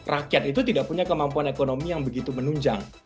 rakyat itu tidak punya kemampuan ekonomi yang begitu menunjang